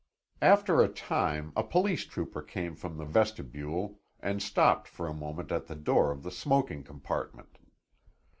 After a time a police trooper came from the vestibule and stopped for a moment at the door of the smoking compartment.